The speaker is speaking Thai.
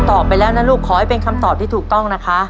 ไปแล้วนะลูกขอให้เป็นคำตอบที่ถูกต้องนะคะ